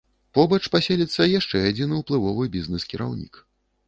Побач паселіцца яшчэ адзін уплывовы бізнэс-кіраўнік.